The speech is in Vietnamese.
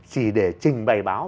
chỉ để trình bày báo